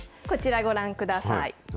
こちらご覧ください。